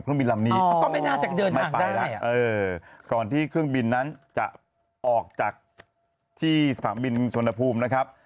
เออก่อนที่เครื่องบินนั้นจะออกจากที่สถานบินชนพูมนะครับ